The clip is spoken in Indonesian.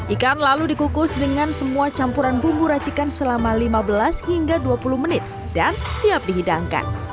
ikan lalu dikukus dengan semua campuran bumbu racikan selama lima belas hingga dua puluh menit dan siap dihidangkan